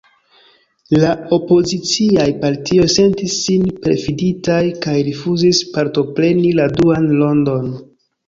La opoziciaj partioj sentis sin perfiditaj kaj rifuzis partopreni la duan rondon.